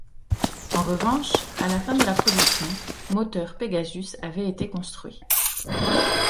En revanche, à la fin de la production, moteurs Pegasus avaient été construits.